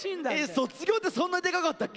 卒業ってそんなでかかったっけ？